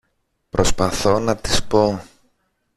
Προσπαθώ να της πω